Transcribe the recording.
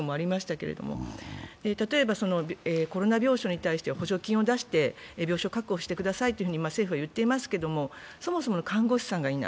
例えばコロナ病床に対して保証金を出して病床を確保してくださいと政府は言っていますけれども、政府は言っていますけれども、そもそも看護師さんがいない。